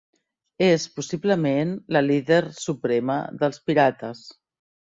És possiblement, la líder suprema dels Pirates.